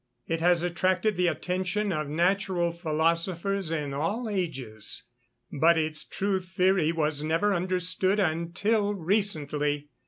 It has attracted the attention of natural philosophers in all ages. But its true theory was never understood until recently.